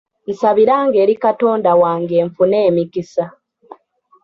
Nsabiranga eri Katonda wange nfune emikisa.